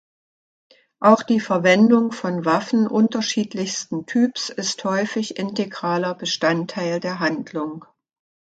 Auch die Verwendung von Waffen unterschiedlichsten Typs ist häufig integraler Bestandteil der Handlung.